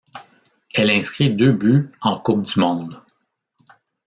Elle inscrit deux buts en Coupe du monde.